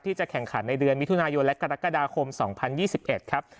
ที่จะแข่งขันในเดือนมิถุนายนและกรกฎาคมสองพันยี่สิบเอ็ดครับ